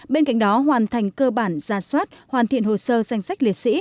bên cạnh đó hoàn thành cơ bản ra soát hoàn thiện hồ sơ danh sách liệt sĩ